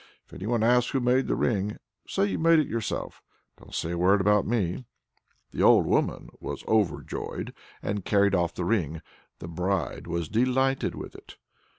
If anyone asks who made the ring, say you made it yourself; don't say a word about me." The old woman was overjoyed and carried off the ring. The bride was delighted with it.